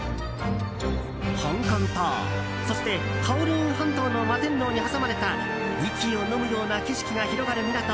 香港島、そしてカオルーン半島の摩天楼に挟まれた息をのむような景色が広がる港